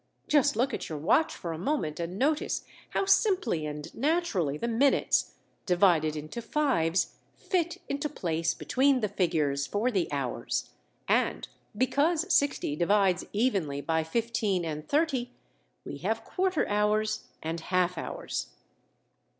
Just look at your watch for a moment and notice how simply and naturally the minutes, divided into fives, fit into place between the figures for the hours, and, because sixty divides evenly by fifteen and thirty, we have quarter hours and half hours.